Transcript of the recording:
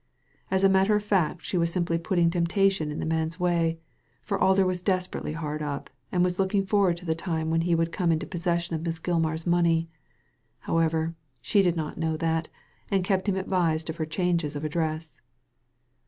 As a matter of fact, she was simply putting temptation in the man's way, for Alder was desperately hard up, and was looking forward to the time when he would come into possession of Miss Gilmar's money. However, she did not know that, and kept him advised of her changes of address."